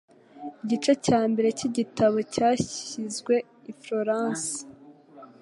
Igice cya mbere cyigitabo cyashyizwe i Florence.